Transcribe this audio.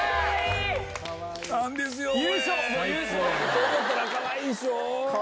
そう思うたらかわいいでしょ？